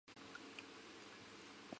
雄鱼背鳍和臀鳍鳍条延伸呈丝状。